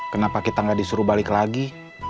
kenapa kita nggak disuruh balik lagi